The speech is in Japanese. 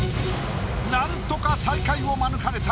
なんとか最下位を免れた